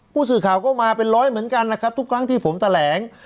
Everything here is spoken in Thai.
ผู้สื่อข่าวก็มาเป็นร้อยเหมือนกันนะครับทุกครั้งที่ผมแถลง